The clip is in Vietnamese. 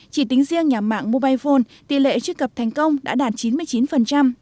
chỉ tính riêng nhà mạng mobile phone tỷ lệ truy cập thành công đã đạt chín mươi chín